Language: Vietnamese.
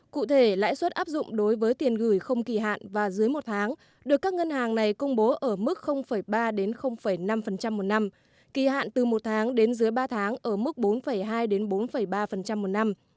cụ thể lãi suất áp dụng đối với tiền gửi không kỳ hạn và dưới một tháng được các ngân hàng này công bố ở mức ba năm một năm kỳ hạn từ một tháng đến dưới ba tháng ở mức bốn hai bốn ba một năm